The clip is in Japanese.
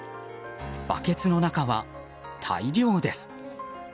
バケツの中は大漁です。